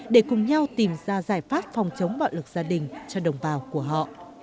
để cùng nhau tìm ra giải pháp phòng chống bạo lực gia đình cho đồng bào của họ